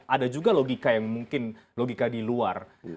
ada juga logika yang mungkin logika di luar